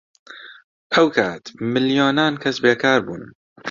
ئەو کات ملیۆنان کەس بێکار بوون.